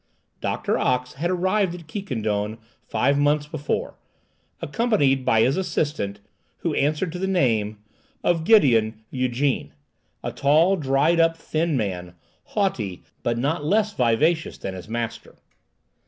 Doctor Ox had arrived at Quiquendone five months before, accompanied by his assistant, who answered to the name of Gédéon Ygène; a tall, dried up, thin man, haughty, but not less vivacious than his master.